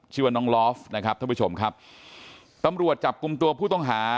ชื่อว่าน้องลอฟนะครับท่านผู้ชมครับตำรวจจับกลุ่มตัวผู้ต้องหา